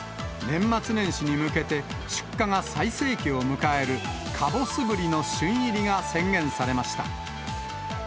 年末年始に向けて、出荷が最盛期を迎える、かぼすブリの旬入りが宣言されました。